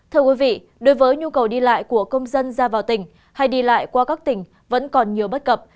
thưa quý vị đối với nhu cầu đi lại của công dân ra vào tỉnh hay đi lại qua các tỉnh vẫn còn nhiều bất cập